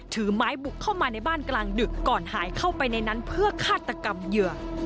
ถือไม้บุกเข้ามาในบ้านกลางดึกก่อนหายเข้าไปในนั้นเพื่อฆาตกรรมเหยื่อ